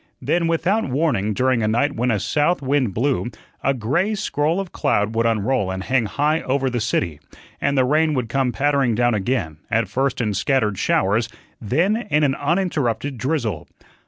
Then, without warning, during a night when a south wind blew, a gray scroll of cloud would unroll and hang high over the city, and the rain would come pattering down again, at first in scattered showers, then in an uninterrupted drizzle.